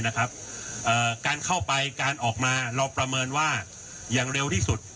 การเข้าไปการออกมาเราประเมินว่าอย่างเร็วที่สุด